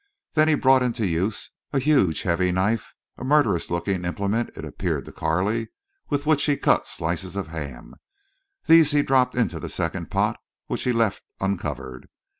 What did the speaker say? Then he brought into use a huge, heavy knife, a murderous looking implement it appeared to Carley, with which he cut slices of ham. These he dropped into the second pot, which he left uncovered.